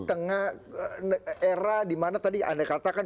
tengah era di mana tadi anda katakan